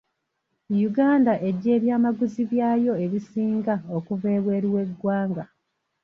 Uganda eggya ebyamaguzi byayo ebisinga okuva ebweru w'eggwanga.